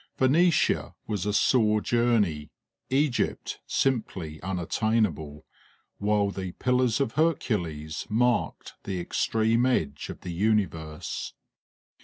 Phoenicia was a sore journey, Egypt simply unattainable, while the Pillars of Hercules marked the extreme edge of the universe.